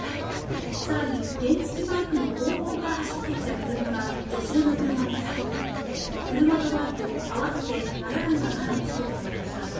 更に、原付きバイクの後方から走ってきた車が女性の車に突っ込み車とバイク合わせて７台が絡む事故となりました。